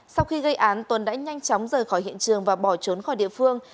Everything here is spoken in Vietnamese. sau khi gây án tuấn đã nhanh chóng rời khỏi hiện trường và bỏ trốn khỏi địa phương